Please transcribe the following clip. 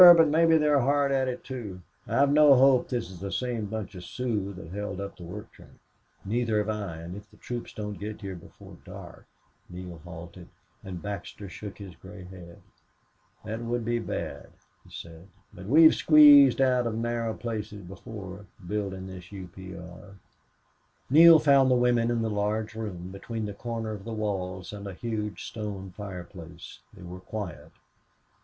But maybe they're hard at it, too. I've no hope this is the same bunch of Sioux that held up the work train." "Neither have I. And if the troops don't get here before dark " Neale halted, and Baxter shook his gray head. "That would be bad," he said. "But we've squeezed out of narrow places before, buildin' this U. P. R." Neale found the women in the large room, between the corner of the walls and a huge stone fireplace. They were quiet.